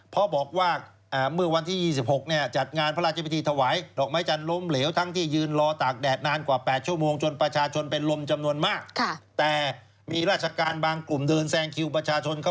เพราะบอกว่าเมื่อวันที่๒๖จัดงานพระราชบิทธิถวาย